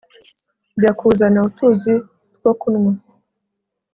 Jya kuzana utuzi two kunwa